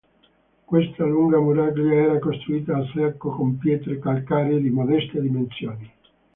Questa lunga muraglia era costruita a secco con pietre calcaree di modeste dimensioni.